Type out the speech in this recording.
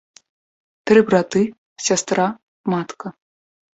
Тры браты, сястра, матка.